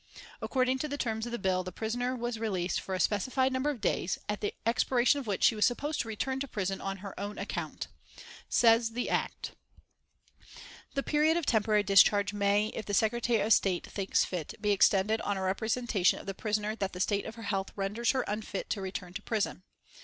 According to the terms of the bill the prisoner was released for a specified number of days, at the expiration of which she was supposed to return to prison on her own account. Says the Act: "The period of temporary discharge may, if the Secretary of State thinks fit, be extended on a representation of the prisoner that the state of her health renders her unfit to return to prison.